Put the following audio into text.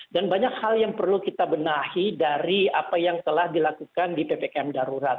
dan banyak hal yang perlu kita benahi dari apa yang telah dilakukan di ptkm darurat